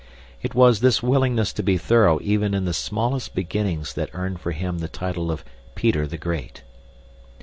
It was this willingness to be thorough even in the smallest beginnings that earned for him the title of Peter the Great.